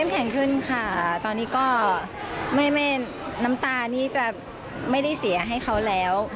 แข็งขึ้นค่ะตอนนี้ก็ไม่น้ำตานี่จะไม่ได้เสียให้เขาแล้ว